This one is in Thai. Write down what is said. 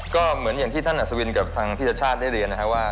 ก็เหมือนอย่างที่ท่านอัศวินกับทางพี่ชชาติได้เรียนนะครับว่า